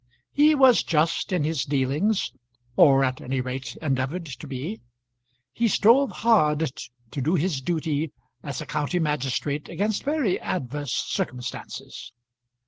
He was just in his dealings, or at any rate endeavoured to be so. He strove hard to do his duty as a county magistrate against very adverse circumstances.